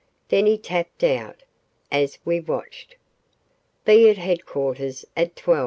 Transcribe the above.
Then he tapped out, as we watched: BE AT HEADQUARTERS AT 12.